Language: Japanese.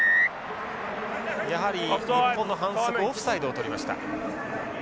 やはり日本の反則オフサイドをとりました。